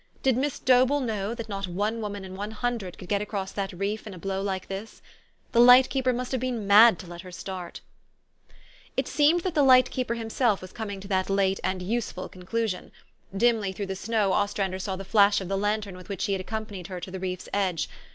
Did Miss Dobell know that not one woman in one hundred could get across that reef in a blow like this? The light keeper must have been mad to let her start. It seemed that the light keeper himself was coming to that late and useful conclusion. Dimly through the snow Ostrander saw the flash of the lantern with which he had accompanied her to the reefs edge.